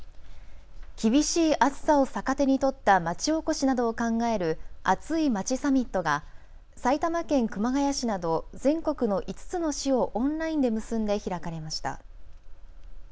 厳しい暑さを逆手に取ったまちおこしなどを考えるアツいまちサミットが埼玉県熊谷市など全国の５つの市をオンラインで結んで開かれました。